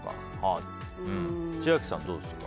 千秋さん、どうですか？